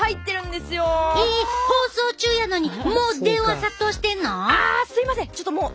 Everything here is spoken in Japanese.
すいません